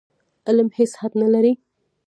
علم هېڅ حد نه لري.